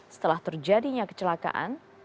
setelah terjadinya kecelakaan